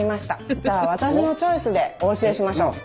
じゃあ私のチョイスでお教えしましょう。